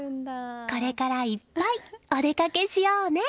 これからいっぱいお出かけしようね！